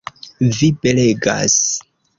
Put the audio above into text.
Vi belegas!